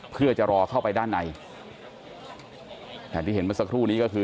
เพื่อจะรอเข้าไปด้านในแต่ที่เห็นเมื่อสักครู่นี้ก็คือ